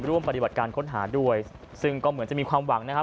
ร่วมปฏิบัติการค้นหาด้วยซึ่งก็เหมือนจะมีความหวังนะครับ